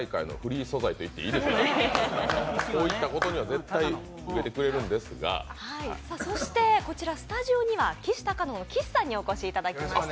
こういったことは絶対受けてくれるんですがそしてスタジオにはきしたかの岸さんにお越しいただきました。